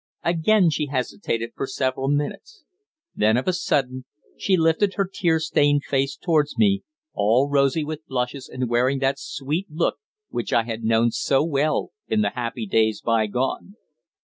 Again she hesitated for several minutes. Then, of a sudden, she lifted her tear stained face towards me, all rosy with blushes and wearing that sweet look which I had known so well in the happy days bygone.